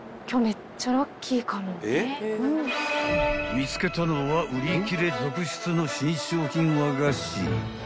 ［見つけたのは売り切れ続出の新商品和菓子］